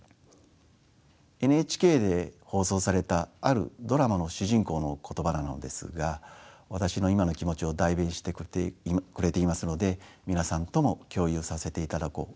ＮＨＫで放送されたあるドラマの主人公の言葉なのですが私の今の気持ちを代弁してくれていますので皆さんとも共有させていただこうそう思います。